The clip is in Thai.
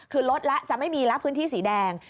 คือลดแล้วจะไม่มีแล้วพื้นที่สีแดง